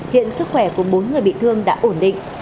hiện sức khỏe của bốn người bị thương đã ổn định